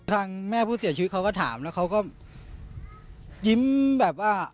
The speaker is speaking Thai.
ทางแม่ผู้เสียชีวิตเขาก็ถามแล้วเขาก็ยิ้มแบบว่า